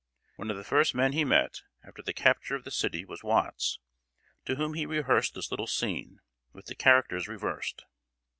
One of the first men he met, after the capture of the city, was Watts, to whom he rehearsed this little scene, with the characters reversed.